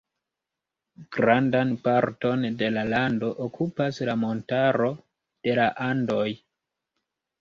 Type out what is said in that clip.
Grandan parton de la lando okupas la montaro de la Andoj.